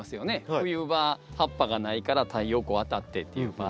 冬場葉っぱがないから太陽光当たってっていう場合。